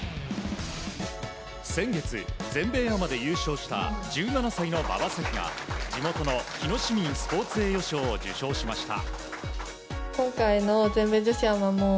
先月、全米アマで優勝した１７歳の馬場咲希が地元の日野市民スポーツ栄誉賞を受賞しました。